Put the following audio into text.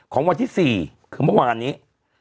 ของวันที่๔คือเมื่อวานนี้